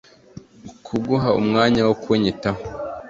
Kuguha umwanya wo kunyitaho